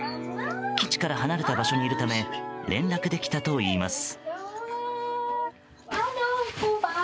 基地から離れた場所にいるため連絡できたといいます。